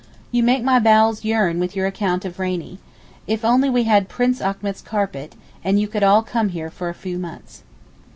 You make my bowels yearn with your account of Rainie. If only we had Prince Achmet's carpet, and you could all come here for a few months.